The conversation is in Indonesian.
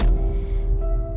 saya tak heran